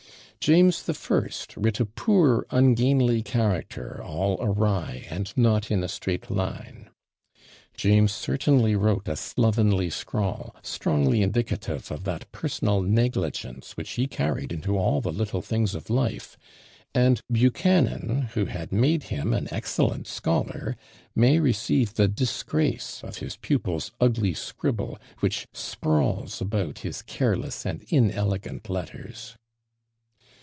"James the First writ a poor ungainly character, all awry, and not in a straight line." James certainly wrote a slovenly scrawl, strongly indicative of that personal negligence which he carried into all the little things of life; and Buchanan, who had made him an excellent scholar, may receive the disgrace of his pupil's ugly scribble, which sprawls about his careless and inelegant letters.